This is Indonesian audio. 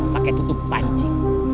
pakai tutup panci